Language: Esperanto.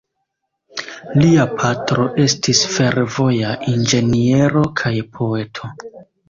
Lia patro estis fervoja inĝeniero kaj poeto.